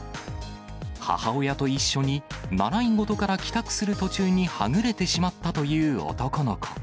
母親と一緒に、習い事から帰宅する途中にはぐれてしまったという男の子。